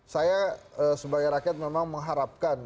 saya sebagai rakyat memang mengharapkan